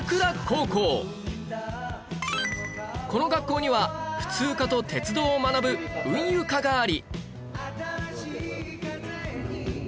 この学校には普通科と鉄道を学ぶ運輸科があり